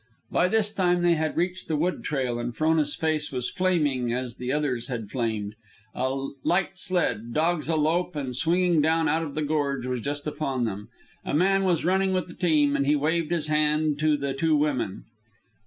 By this time they had reached the wood trail, and Frona's face was flaming as the other's had flamed. A light sled, dogs a lope and swinging down out of the gorge, was just upon them. A man was running with the team, and he waved his hand to the two women.